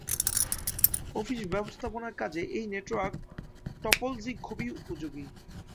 Office ব্যবস্থাপনার কাজে এ নেটওয়ার্ক টপোলজি খুবই উপযোগী।